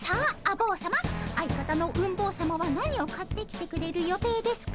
坊さま相方のうん坊さまは何を買ってきてくれる予定ですか？